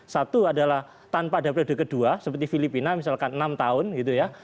satu adalah tanpa ada periode kedua seperti filipina misalkan enam tahun gitu ya